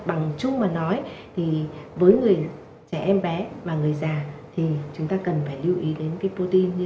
bằng chung mà nói thì với người trẻ em bé và người già thì chúng ta cần phải lưu ý đến cái putin như